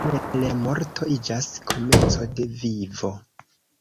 Tiele la morto iĝas komenco de vivo.